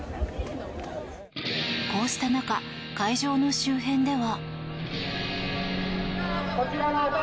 こうした中、会場の周辺では。